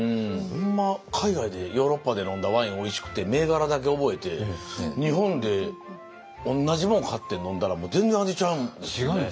ほんま海外でヨーロッパで飲んだワインおいしくて銘柄だけ覚えて日本で同じ物買って飲んだら全然味ちゃうんですよね。